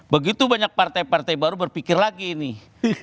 begitu banyak partai partai baru berpikir lagi nih